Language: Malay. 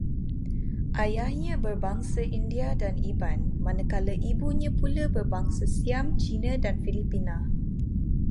Ayahnya berbangsa India dan Iban, manakala ibunya pula berbangsa Siam, Cina dan Filipina